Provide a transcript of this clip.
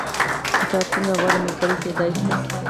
کتاب څنګه غوره ملګری کیدی شي؟